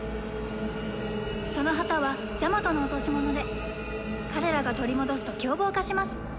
その旗はジャマトの落とし物で彼らが取り戻すと凶暴化します。